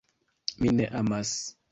Mi ne amas.